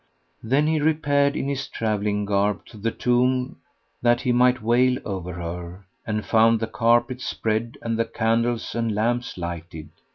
Then he repaired in his travelling garb[FN#118] to the tomb that he might wail over her, and found the carpets spread and the candles and lamps lighted.